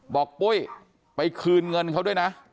ปุ้ยไปคืนเงินเขาด้วยนะ